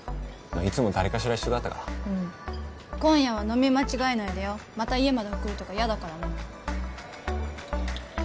いつも誰かしら一緒だったからうん今夜は飲み間違えないでよまた家まで送るとか嫌だからね